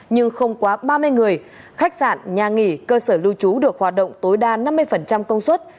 nhưng không quá ba mươi người khách sạn nhà nghỉ cơ sở lưu trú được hoạt động tối đa năm mươi công suất